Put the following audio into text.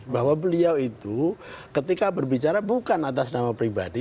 bahwa beliau itu ketika berbicara bukan atas nama pribadi